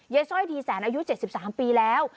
สร้อยดีแสนอายุ๗๓ปีแล้ว